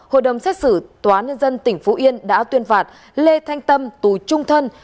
hội đồng xét xử tòa nhân dân tỉnh phú yên đã tuyên phạt lê thanh tâm tù trung thân